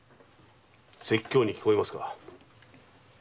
説教に聞こえますか？